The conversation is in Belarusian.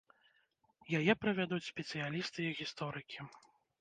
Яе правядуць спецыялісты і гісторыкі.